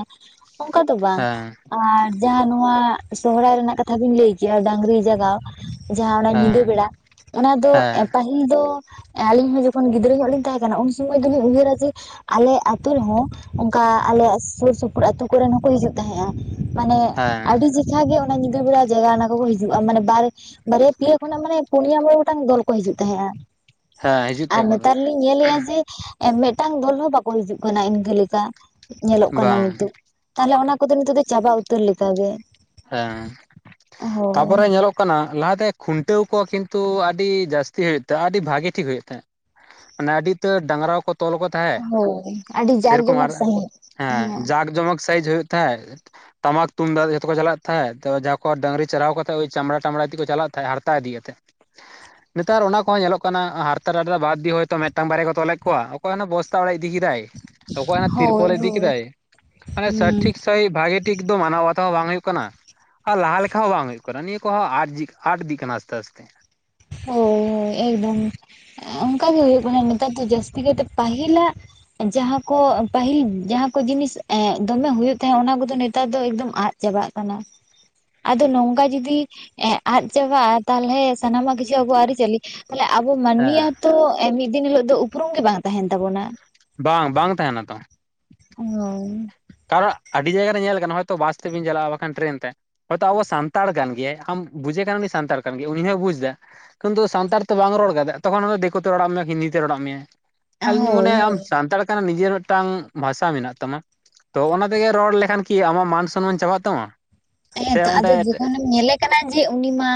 [SPEAKER 2] ᱚᱝᱠᱟ ᱫᱚ ᱵᱟᱝ᱾
[SPEAKER 1] ᱦᱮᱸ
[SPEAKER 2] ᱟᱨ ᱡᱟᱦᱟᱸ ᱱᱚᱣᱟ ᱥᱚᱦᱨᱟᱭ ᱨᱮᱱᱟᱜ ᱠᱟᱛᱷᱟ ᱵᱤᱱ ᱞᱟᱹᱭ ᱠᱮᱭᱟ ᱰᱟᱝᱨᱤ ᱡᱟᱜᱟᱣ, ᱡᱟᱦᱟᱸ ᱚᱱᱟ ᱧᱤᱫᱟᱹ
[SPEAKER 1] ᱦᱮᱸ
[SPEAKER 2] ᱵᱮᱲᱟ ᱚᱱᱟ ᱫᱚ
[SPEAKER 1] ᱦᱮᱸ
[SPEAKER 2] ᱯᱟᱹᱦᱤᱞ ᱫᱚ ᱟᱹᱞᱤᱧ ᱦᱚᱸ ᱡᱚᱠᱷᱚᱱ ᱜᱤᱫᱽᱨᱟᱹ ᱧᱚᱜ ᱞᱤᱧ ᱛᱟᱦᱮᱸ ᱠᱟᱱᱟ ᱩᱱ ᱥᱩᱢᱚᱭ ᱫᱚᱞᱤᱧ ᱩᱭᱦᱟᱹᱨᱟ ᱡᱮ ᱟᱞᱮ ᱟᱹᱛᱩ ᱨᱮᱦᱚᱸ ᱚᱝᱠᱟ ᱟᱞᱮᱭᱟᱜ ᱥᱳᱨ ᱥᱩᱯᱩᱨ ᱟᱹᱛᱩ ᱠᱚᱨᱮᱱ ᱦᱚᱸᱠᱚ ᱦᱤᱡᱩᱜ ᱛᱟᱦᱮᱸᱜ-ᱟ᱾ ᱢᱟᱱᱮ
[SPEAKER 1] ᱦᱮᱸ
[SPEAKER 2] ᱟᱹᱰᱤ ᱪᱮᱠᱷᱟ ᱜᱮ ᱚᱱᱟ ᱧᱤᱫᱟᱹ ᱵᱮᱲᱟ ᱡᱟᱭᱜᱟ ᱚᱱᱟ ᱠᱚᱠᱚ ᱦᱤᱡᱩᱜ-ᱟ, ᱢᱟᱱᱮ ᱵᱟᱨ ᱵᱟᱨᱭᱟ ᱯᱮᱭᱟ ᱠᱷᱚᱱᱟᱜ ᱢᱟᱱᱮ ᱯᱩᱱᱭᱟᱹ ᱢᱚᱬᱮ ᱜᱚᱴᱟᱝ ᱫᱚᱞ ᱠᱚ ᱦᱤᱡᱩᱜ ᱛᱟᱦᱮᱸᱜ-ᱟ᱾
[SPEAKER 1] ᱦᱮᱸ ᱦᱤᱡᱩᱜ
[SPEAKER 2] ᱟᱨ
[SPEAKER 1] ᱛᱟᱦᱮᱸ ᱠᱚᱫᱚ
[SPEAKER 2] ᱱᱮᱛᱟᱨ ᱞᱤᱧ ᱧᱮᱞᱮᱜ-ᱟ ᱡᱮ ᱢᱮᱜᱴᱟᱝ ᱫᱚᱞ ᱦᱚᱸ ᱵᱟᱠᱚ ᱦᱤᱡᱩᱜ ᱠᱟᱱᱟ ᱤᱱᱠᱟᱹ ᱞᱮᱠᱟ ᱧᱮᱞᱚᱜ ᱠᱟᱱᱟ
[SPEAKER 1] ᱵᱟᱝ
[SPEAKER 2] ᱱᱤᱛᱳᱜ᱾ ᱛᱟᱦᱞᱮ ᱚᱱᱟ ᱠᱚᱫᱚ ᱱᱤᱛᱳᱜ ᱫᱚ ᱪᱟᱵᱟ ᱩᱛᱟᱹᱨ ᱞᱮᱠᱟ ᱜᱮ᱾
[SPEAKER 1] ᱦᱮᱸ ᱛᱟᱯᱚᱨᱮ ᱧᱮᱞᱚᱜ ᱠᱟᱱᱟ ᱞᱟᱦᱟ ᱛᱮ ᱠᱷᱩᱱᱴᱟᱹᱣ ᱠᱚ ᱠᱤᱱᱛᱩ ᱟᱹᱰᱤ ᱡᱟᱹᱥᱛᱤ ᱦᱩᱭᱩᱜ ᱛᱟᱭ ᱟᱹᱰᱤ ᱵᱷᱟᱜᱮ ᱴᱷᱤᱠ ᱦᱩᱭᱩᱜ ᱛᱮᱦᱮᱜ, ᱚᱱᱮ ᱟᱹᱰᱤ ᱩᱛᱟᱹᱨ ᱰᱟᱝᱨᱟ ᱠᱚ ᱠᱚ ᱛᱚᱞ ᱠᱚ ᱛᱟᱦᱮᱸᱜ
[SPEAKER 2] ᱦᱳᱭ ᱟᱹᱰᱤ ᱡᱟᱠ
[SPEAKER 1] ᱥᱮᱨᱚᱠᱚᱢ ᱟᱨ
[SPEAKER 2] ᱡᱚᱢᱚᱠ ᱥᱟᱺᱦᱤᱡ
[SPEAKER 1] ᱦᱮᱸ ᱡᱟᱠ ᱡᱚᱢᱚᱠ ᱥᱟᱭᱤᱡ ᱦᱩᱭᱩᱜ ᱛᱟᱦᱮᱸᱜ ᱴᱟᱢᱟᱠ ᱛᱩᱢᱫᱟᱜ ᱡᱚᱛᱚ ᱠᱚ ᱪᱟᱞᱟᱜ ᱛᱟᱦᱮᱸᱫ ᱛᱚ ᱡᱟᱦᱟᱸ ᱰᱟᱝᱨᱤ ᱪᱟᱨᱦᱟᱣ ᱠᱟᱛᱮᱫ ᱳᱭ ᱪᱟᱢᱲᱟ ᱴᱟᱢᱲᱟ ᱛᱮᱜ ᱠᱩ ᱪᱟᱞᱟᱜ ᱛᱟᱦᱮᱸᱜ ᱦᱟᱨᱛᱟ ᱤᱫᱤ ᱠᱟᱛᱮ᱾
[SPEAKER 2] [unintelligible]
[SPEAKER 1] ᱱᱮᱛᱟᱨ ᱚᱱᱟ ᱠᱚᱦᱚᱸ ᱧᱮᱞᱚᱜ ᱠᱟᱱᱟ ᱦᱟᱨᱛᱟ ᱨᱟᱰᱨᱟ ᱵᱟᱫ ᱫᱤᱭᱮ ᱦᱚᱭ ᱛᱚ ᱢᱤᱫᱴᱟᱝ ᱵᱟᱨᱭᱟ ᱠᱚ ᱛᱚᱞᱮᱫ ᱠᱚᱣᱟ, ᱚᱠᱚᱭ ᱚᱱᱟ ᱵᱚᱥᱛᱟ ᱚᱲᱮᱭ ᱤᱫᱤ ᱠᱮᱫᱟᱭ᱾ ᱚᱠᱚᱭ
[SPEAKER 2] ᱦᱳᱭ
[SPEAKER 1] ᱛᱤᱨᱯᱚᱞᱮ ᱤᱫᱤ
[SPEAKER 2] ᱦᱳᱭ
[SPEAKER 1] ᱠᱮᱫᱟᱭ ᱢᱟᱱᱮ
[SPEAKER 2] ᱦᱩᱸ
[SPEAKER 1] ᱥᱟᱹᱨ
[SPEAKER 2] ᱦᱳᱭ
[SPEAKER 1] ᱴᱷᱤᱠ ᱥᱟᱹᱭᱤ ᱵᱷᱟᱹᱜᱤ ᱴᱷᱤᱠ ᱫᱚ ᱢᱟᱱᱟ ᱵᱟᱛᱟᱣ ᱦᱚᱸ ᱵᱟᱝ ᱦᱩᱭᱩᱜ ᱠᱟᱱᱟ᱾ ᱟᱨ ᱞᱟᱦᱟ ᱞᱮᱠᱟ ᱦᱚᱸ ᱵᱟᱝ ᱦᱩᱭᱩᱜ ᱠᱟᱱᱟ, ᱱᱤᱭᱟᱹ ᱠᱚᱦᱚᱸ ᱟᱴ ᱤᱫᱤᱜ ᱠᱟᱱᱟ ᱟᱥᱛᱮ ᱟᱥᱛᱮ᱾
[SPEAKER 2] ᱦᱳᱭ ᱦᱳᱭ ᱮᱠᱫᱚᱢ ᱚᱱᱠᱟ ᱜᱮ ᱦᱩᱭᱩᱜ ᱠᱟᱱᱟ ᱱᱮᱛᱟᱨ ᱫᱚ ᱡᱟᱹᱥᱛᱤ ᱠᱟᱭᱛᱮ ᱯᱟᱹᱦᱤᱞᱟᱜ ᱡᱟᱦᱟᱸ ᱠᱚ ᱯᱟᱹᱦᱤᱞ ᱡᱟᱦᱟᱸ ᱠᱚ ᱡᱤᱱᱤᱥ ᱮ ᱫᱚᱢᱮ ᱦᱩᱭᱩᱜ ᱛᱟᱦᱮᱸᱫ ᱚᱱᱟ ᱠᱚᱫᱚ ᱱᱮᱛᱟᱨ ᱫᱚ ᱮᱠᱫᱚᱢ ᱟᱫ- ᱪᱟᱵᱟᱜ ᱠᱟᱱᱟ, ᱟᱫᱚ ᱱᱚᱝᱠᱟ ᱡᱩᱫᱤ ᱟᱫ ᱪᱟᱵᱟᱜ-ᱟ ᱛᱟᱦᱚᱞᱮ ᱥᱟᱱᱟᱢᱟᱜ ᱜᱤ- ᱟᱵᱚᱣᱟᱜ ᱟᱹᱨᱤ-ᱪᱟᱹᱞᱤ ᱛᱟᱦᱞᱮ ᱟᱵᱚ ᱢᱟᱹᱱᱢᱤᱭᱟᱜ ᱦᱚᱸ
[SPEAKER 1] ᱦᱮᱸ
[SPEAKER 2] ᱛᱚ ᱢᱤᱫ ᱫᱤᱱ ᱦᱤᱞᱳᱜ ᱫᱚ ᱩᱯᱨᱩᱢ ᱜᱮ ᱵᱟᱝ ᱛᱟᱦᱮᱸᱱ ᱛᱟᱵᱚᱱᱟ᱾
[SPEAKER 1] ᱵᱟᱝ ᱵᱟᱝ ᱛᱟᱦᱮᱱᱟ ᱛᱚ,
[SPEAKER 2] ᱦᱳᱭ,
[SPEAKER 1] ᱠᱟᱨᱚᱱ ᱟᱹᱰᱤ ᱡᱟᱭᱜᱟ ᱨᱮ ᱧᱮᱞ ᱠᱟᱱᱟ ᱦᱚᱭ ᱛᱚ ᱵᱟᱥ ᱛᱮᱵᱤᱧ ᱪᱟᱞᱟᱜ-ᱟ ᱵᱟᱠᱷᱟᱱ ᱴᱨᱮᱱ ᱛᱮ᱾ ᱦᱚᱭ ᱛᱚ ᱟᱵᱚ ᱥᱟᱱᱛᱟᱲ ᱠᱟᱱ ᱜᱮᱭᱟᱭ ᱟᱢ ᱵᱩᱡᱮ ᱠᱟᱱ ᱩᱱᱤ ᱥᱟᱱᱛᱟᱲ ᱠᱟᱱ ᱜᱮᱭᱟᱭ ᱩᱱᱤ ᱦᱚᱭ ᱵᱩᱡᱽ ᱮᱫᱟ᱾ ᱩᱱ ᱫᱚ ᱥᱟᱱᱛᱟᱲ ᱛᱮ ᱵᱟᱝ ᱨᱚᱲ ᱠᱟᱛᱮᱫ ᱛᱚᱠᱷᱚᱱ ᱚᱱᱮ ᱫᱤᱠᱩ ᱛᱮ ᱨᱚᱲᱟᱜ ᱢᱮᱭᱟ, ᱦᱤᱱᱫᱤ ᱛᱮ ᱨᱚᱲᱟᱜ ᱢᱮᱭᱟ᱾ ᱟᱹᱞᱤᱧ ᱞᱤᱧ
[SPEAKER 2] ᱦᱳᱭ
[SPEAKER 1] ᱢᱚᱱᱮᱭᱟ ᱟᱢ ᱥᱟᱱᱛᱟᱲ ᱠᱟᱱᱟᱢ ᱱᱤᱡᱮᱨ ᱢᱤᱫᱴᱟᱝ ᱵᱷᱟᱥᱟ ᱢᱮᱱᱟᱜ ᱛᱟᱢᱟ᱾ ᱛᱚ ᱚᱱᱟ ᱛᱮᱜᱮ ᱨᱚᱲ ᱞᱮᱠᱷᱟᱱ ᱠᱤ ᱟᱢᱟᱜ ᱢᱟᱱ ᱥᱚᱢᱢᱟᱱ ᱪᱟᱵᱟᱜ ᱛᱟᱢᱟ?
[SPEAKER 2] ᱦᱮᱸ
[SPEAKER 1] ᱥᱮ
[SPEAKER 2] ᱛᱚ ᱟᱫᱚ
[SPEAKER 1] ᱚᱸᱰᱮ
[SPEAKER 2] ᱡᱚᱠᱷᱚᱱᱮᱧ ᱧᱮᱞᱮ- ᱠᱟᱱᱟ ᱡᱮ ᱩᱱᱤ ᱢᱟ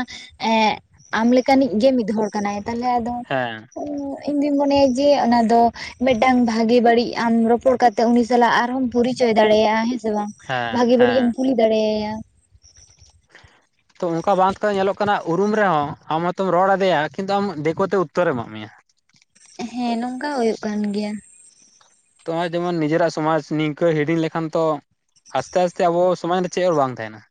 [SPEAKER 2] ᱮᱸᱜ ᱟᱢ ᱞᱮᱠᱟᱱᱤᱡ ᱜᱮ ᱢᱤᱫ ᱦᱚᱲ ᱠᱟᱱᱟᱭ ᱛᱟᱞᱦᱮ ᱟᱫᱚ
[SPEAKER 1] ᱦᱮᱸ
[SPEAKER 2] ᱩᱸ ᱤᱧ ᱫᱩᱧ ᱢᱚᱱᱮᱭᱟ ᱡᱮ ᱚᱱᱟ ᱫᱚ ᱢᱤᱫᱴᱟᱝ ᱵᱷᱟᱜᱮ ᱵᱟᱹᱲᱤᱡ ᱟᱢ ᱨᱚᱯᱚᱲ ᱠᱟᱛᱮᱜ ᱩᱱᱤ ᱥᱟᱞᱟᱜ ᱟᱨ ᱦᱚᱸᱢ ᱯᱚᱨᱤᱪᱚᱭ ᱫᱟᱲᱮᱭᱟᱜ-ᱟ ᱦᱮᱸ ᱥᱮ ᱵᱟᱝ,
[SPEAKER 1] ᱦᱮᱸ
[SPEAKER 2] ᱵᱷᱟᱜᱮ ᱵᱟᱹᱲᱤᱡ ᱮᱢ
[SPEAKER 1] ᱦᱮᱸ
[SPEAKER 2] ᱠᱩᱞᱤ ᱫᱟᱲᱮᱭᱟᱭᱟ᱾
[SPEAKER 1] ᱛᱚ ᱚᱱᱠᱟ ᱵᱟᱸᱫᱷ ᱠᱚᱫᱚ ᱧᱮᱞᱚᱜ ᱠᱟᱱᱟ ᱩ- ᱩᱢ ᱨᱮᱦᱚᱸ ᱟᱢ ᱦᱚᱭ ᱛᱚᱢ ᱨᱚᱲ ᱟᱫᱮᱭᱟ ᱠᱤᱱᱛᱩ ᱟᱢ ᱫᱮᱠᱳ ᱛᱮ ᱩᱛᱚᱨᱮ ᱮᱢᱟᱜ ᱢᱮᱭᱟ᱾
[SPEAKER 2] ᱦᱮᱸ ᱱᱚᱝᱠᱟ ᱦᱚᱸ ᱦᱩᱭᱩᱜ ᱠᱟᱱ ᱜᱮᱭᱟ᱾
[SPEAKER 1] ᱛᱚ ᱱᱚ-ᱚᱭ ᱡᱮᱢᱚᱱ ᱱᱤᱡᱮᱨᱟᱜ ᱥᱚᱢᱟᱡᱽ ᱱᱤᱝᱠᱟᱹ ᱦᱤᱲᱤᱧ ᱞᱮᱠᱷᱟᱱ ᱛᱚ ᱟᱥᱛᱮ ᱟᱥᱛᱮ ᱟᱵᱚ ᱥᱚᱢᱟᱡᱽ ᱨᱮ ᱪᱮᱫ ᱦᱚᱸ ᱵᱟᱝ ᱛᱟᱦᱮᱱᱟ᱾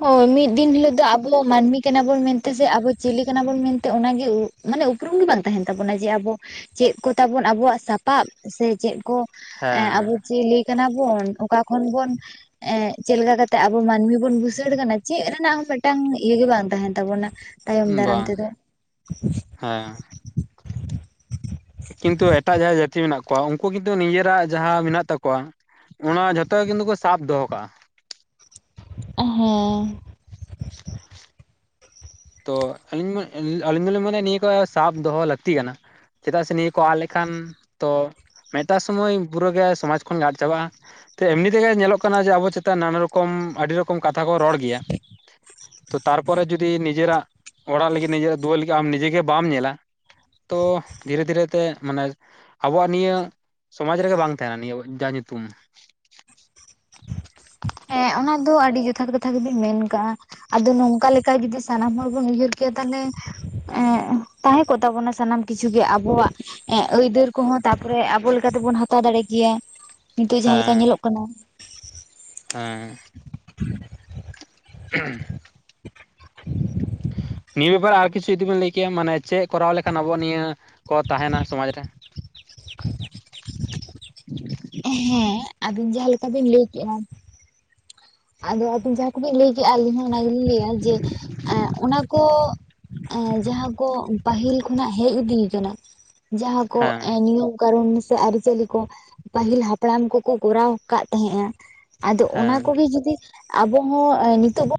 [SPEAKER 2] ᱦᱳᱭ, ᱢᱤᱫ ᱫᱤᱱ ᱦᱤᱞᱳᱜ ᱫᱚ ᱟᱵᱚ ᱢᱟᱹᱱᱢᱤ ᱠᱟᱱᱟ ᱵᱚᱱ ᱢᱮᱱᱛᱮ ᱥᱮ ᱟᱵᱚ ᱪᱤᱞᱤ ᱠᱟᱱᱟ ᱵᱚᱱ ᱢᱮᱱᱛᱮ ᱚᱱᱟ ᱜᱮ ᱢᱟᱱᱮ ᱩᱯᱨᱩᱢ ᱜᱮ ᱵᱟᱝ ᱛᱟᱦᱮᱱ ᱛᱟᱵᱚᱱᱟ ᱡᱮ ᱟᱵᱚ ᱪᱮᱫ ᱠᱚ ᱛᱟᱵᱚᱱ ᱟᱵᱚᱣᱟᱜ ᱥᱟᱯᱟᱵ ᱥᱮ ᱪᱮᱫ ᱠᱚ ᱮᱸ ᱟᱵᱚ
[SPEAKER 1] ᱦᱮᱸ
[SPEAKER 2] ᱪᱤᱞᱤ ᱠᱟᱱᱟ ᱵᱚᱱ ᱚᱠᱟ ᱠᱷᱚᱱ ᱵᱚᱱ ᱮ ᱪᱮᱫ ᱞᱮᱠᱟ ᱠᱟᱛᱮ ᱟᱵᱚ ᱢᱟᱹᱱᱢᱤ ᱵᱚᱱ ᱵᱩᱥᱟᱹᱲ ᱠᱟᱱᱟ, ᱪᱮᱫ ᱨᱮᱱᱟᱜ ᱦᱚᱸ ᱢᱤᱫᱴᱟᱝ ᱤᱭᱟᱹ ᱜᱮ ᱵᱟᱝ ᱛᱟᱦᱮᱸᱱ ᱛᱟᱵᱚᱱᱟ ᱛᱟᱭᱚᱢ ᱫᱟᱨᱟᱢ
[SPEAKER 1] ᱵᱟᱝ
[SPEAKER 2] ᱛᱮᱫᱚ᱾
[SPEAKER 1] ᱦᱮᱸ ᱠᱤᱱᱛᱩ ᱮᱴᱟᱜ ᱡᱟᱦᱟᱸ ᱡᱟᱹᱛᱤ ᱢᱮᱱᱟᱜ ᱠᱚᱣᱟ ᱩᱱᱠᱩ ᱠᱤᱱᱛᱩ ᱱᱤᱡᱮᱨᱟᱜ ᱡᱟᱦᱟᱸ ᱢᱮᱱᱟᱜ ᱛᱟᱠᱚᱣᱟ᱾ ᱚᱱᱟ ᱡᱷᱚᱛᱚ ᱜᱮ ᱠᱤᱱᱛᱩ ᱠᱚ ᱥᱟᱵ ᱫᱚᱦᱚ ᱠᱟᱜ-ᱟ᱾
[SPEAKER 2] ᱦᱮᱸ
[SPEAKER 1] ᱛᱚ ᱟᱹᱞᱤᱧ ᱢᱟ ᱟᱹᱞᱤᱧ ᱫᱚᱞᱤᱧ ᱢᱚᱱᱮᱭᱟ ᱱᱤᱭᱟᱹ ᱠᱚ ᱥᱟᱵ ᱫᱚᱦᱚ ᱞᱟᱹᱠᱛᱤ ᱠᱟᱱᱟ᱾ ᱪᱮᱫᱟᱜ ᱥᱮ ᱱᱤᱭᱟᱹ ᱠᱚ ᱟᱫ ᱞᱮᱠᱷᱟᱱ ᱛᱚ ᱢᱮᱫᱴᱟᱝ ᱥᱚᱢᱚᱭ ᱯᱩᱨᱟᱹ ᱜᱮ ᱥᱚᱢᱟᱡᱽ ᱠᱷᱚᱱᱤᱧ ᱟᱫ ᱪᱟᱵᱟᱜ-ᱟ᱾ ᱛᱮ ᱮᱢᱱᱤ ᱛᱮᱜᱮ ᱧᱮᱞᱚᱜ ᱠᱟᱱᱟ ᱡᱮ ᱟᱵᱚ ᱪᱮᱛᱟᱱ ᱱᱟᱱᱟ ᱨᱚᱠᱚᱢ ᱟᱹᱰᱤ ᱨᱚᱠᱚᱢ ᱠᱟᱛᱷᱟ ᱠᱚ ᱨᱚᱲ ᱜᱮᱭᱟ᱾ ᱛᱚ ᱛᱟᱨᱯᱚᱨᱮ ᱡᱩᱫᱤ ᱱᱤᱡᱮᱨᱟᱜ ᱚᱲᱟᱜ ᱞᱟᱹᱜᱤᱫ ᱱᱤᱡᱮᱨᱟᱜ ᱫᱩᱣᱟᱹᱨ ᱞᱟᱹᱜᱤᱫ ᱟᱢ ᱱᱤᱡᱮ ᱜᱮ ᱵᱟᱢ ᱧᱮᱞᱟ᱾ ᱛᱚ ᱫᱷᱤᱨᱮ ᱫᱷᱤᱨᱮ ᱛᱮ ᱢᱟᱱᱮ ᱟᱵᱚᱣᱟᱜ ᱱᱤᱭᱟᱹ ᱥᱚᱢᱟᱡᱽ ᱨᱮᱜᱮ ᱵᱟᱝ ᱛᱟᱦᱮᱱᱟ ᱱᱤᱭᱟᱹ ᱡᱟ ᱧᱩᱛᱩᱢ᱾
[SPEAKER 2] ᱦᱮᱸ ᱚᱱᱟ ᱫᱚ ᱟᱹᱰᱤ ᱡᱚᱛᱷᱟᱛ ᱠᱟᱛᱷᱟ ᱜᱮᱵᱤᱱ ᱢᱮᱱ ᱠᱟᱜ-ᱟ᱾ ᱟᱫᱚ ᱱᱚᱝᱠᱟ ᱞᱮᱠᱟ ᱡᱩᱫᱤ ᱥᱟᱱᱟᱢ ᱦᱚᱲ ᱵᱚᱱ ᱩᱭᱦᱟᱹᱨ ᱠᱮᱭᱟ ᱛᱟᱞᱦᱮ ᱮᱸ ᱛᱟᱦᱮᱸ ᱠᱚᱜ ᱛᱟᱵᱚᱱᱟ ᱥᱟᱱᱟᱢ ᱠᱤᱪᱷᱩ ᱜᱮ ᱟᱵᱚᱣᱟᱜ᱾ ᱮᱜ ᱟᱹᱭᱫᱟᱹᱨ ᱠᱚ ᱦᱚᱸ ᱛᱟ-ᱯᱚᱨᱮ ᱟᱵᱚ ᱞᱮᱠᱟ ᱛᱮᱵᱚᱱ ᱦᱟᱛᱟᱣ ᱫᱟᱲᱮ ᱠᱮᱭᱟ ᱱᱤᱛᱚᱜ ᱡᱟᱦᱟᱸ ᱞᱮᱠᱟ
[SPEAKER 1] ᱦᱮᱸ
[SPEAKER 2] ᱧᱮᱞᱚᱜ ᱠᱟᱱᱟ᱾
[SPEAKER 1] ᱦᱮᱸ [unintelligible]
[SPEAKER 2] [unintelligible]
[SPEAKER 1] ᱱᱤᱭᱟᱹ ᱵᱮᱯᱟᱨ ᱟᱨ ᱠᱤᱪᱷᱩ ᱡᱩᱫᱤ ᱵᱮᱱ ᱞᱟᱹᱭ ᱠᱮᱭᱟ, ᱢᱟᱱᱮ ᱪᱮᱫ ᱠᱚᱨᱟᱣ ᱞᱮᱠᱷᱟᱱ ᱟᱵᱚᱣᱟᱜ ᱱᱤᱭᱟᱹ ᱠᱚ ᱛᱟᱦᱮᱱᱟ ᱥᱚᱢᱟᱡᱽ ᱨᱮ?
[SPEAKER 2] ᱦᱮᱸ ᱟᱵᱤᱱ ᱡᱟᱦᱟᱸ ᱞᱮᱠᱟ ᱵᱤᱱ ᱞᱟᱹᱭ ᱠᱮᱜᱼᱟ ᱟᱫᱚ ᱟᱵᱤᱱ ᱡᱟᱦᱟᱸ ᱠᱚ ᱵᱤᱱ ᱞᱟᱹᱭ ᱠᱮ-ᱟ ᱟᱹᱞᱤᱧ ᱦᱚᱸ ᱚᱱᱟ ᱜᱮ ᱞᱤᱧ ᱞᱟᱹᱭᱟ, ᱡᱮ ᱮ ᱚᱱᱟ ᱠᱚ ᱮ ᱡᱟᱦᱟᱸ ᱠᱚ ᱯᱟᱹᱦᱤᱞ ᱠᱷᱚᱱᱟᱜ ᱦᱮᱡ ᱤᱫᱤᱭ ᱠᱟᱱᱟ, ᱡᱟᱦᱟᱸ ᱠᱚ
[SPEAKER 1] ᱦᱮᱸ
[SPEAKER 2] ᱮ ᱱᱤᱭᱚᱢ ᱠᱟᱱᱩᱱ ᱥᱮ ᱟᱹᱨᱤ ᱪᱟᱹᱞᱤ ᱠᱚ ᱯᱟᱹᱦᱤᱞ ᱦᱟᱯᱲᱟᱢ ᱠᱚᱠᱚ ᱠᱚᱨᱟᱣ ᱟᱠᱟᱫ ᱛᱟᱦᱮᱸᱫᱼᱟ ᱟᱫᱚ ᱚᱱᱟ
[SPEAKER 1] ᱦᱮᱸ
[SPEAKER 2] ᱠᱚᱜᱮ ᱡᱩᱫᱤ ᱟᱵᱚ ᱦᱚᱸ ᱮ ᱱᱤᱛᱚᱜ ᱵᱚᱱ